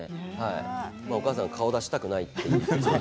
お母さん、顔を出したくないって。